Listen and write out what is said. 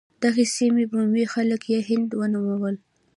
دغې سیمې بومي خلک یې هند ونومول.